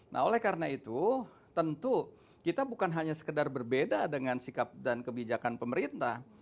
nah oleh karena itu tentu kita bukan hanya sekedar berbeda dengan sikap dan kebijakan pemerintah